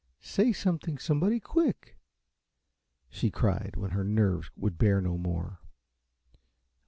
"Say something, somebody, quick!" she cried, when her nerves would bear no more.